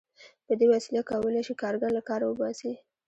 په دې وسیله کولای شي کارګر له کاره وباسي